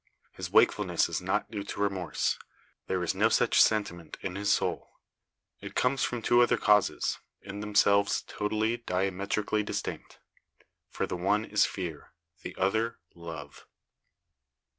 His wakefulness is not due to remorse; there is no such sentiment in his soul. It comes from two other causes, in themselves totally, diametrically distinct; for the one is fear, the other love.